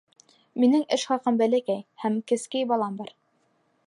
Минең эш хаҡым бәләкәй һәм кескәй балам бар.